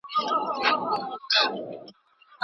هم مطرب هم به بهار وي ښار به ټوله شالمار وي